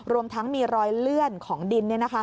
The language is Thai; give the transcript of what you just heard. รวมทั้งมีรอยเลื่อนของดิน